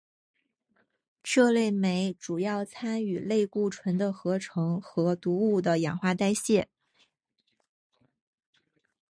这类酶主要参与类固醇的合成和毒物的氧化代谢。